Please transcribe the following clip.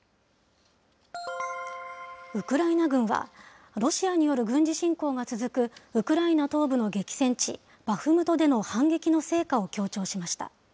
ウクライナ軍は、ロシアによる軍事侵攻が続くウクライナ東部の激戦地バフムトでの反撃の成果を強調しました。